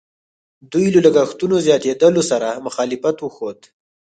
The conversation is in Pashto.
دوی له لګښتونو زیاتېدلو سره مخالفت وښود.